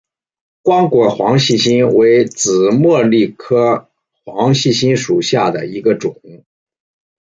光果黄细心为紫茉莉科黄细心属下的一个种。